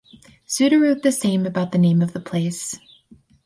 Suda wrote the same about the name of the place.